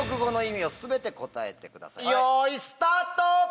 よいスタート！